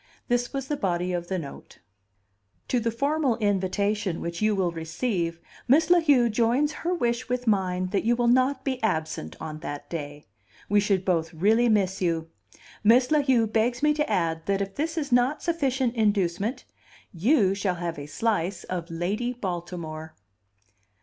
This was the body of the note: "To the formal invitation which you will receive, Miss La Heu joins her wish with mine that you will not be absent on that day. We should both really miss you. Miss La Heu begs me to add that if this is not sufficient inducement, you shall have a slice of Lady Baltimore."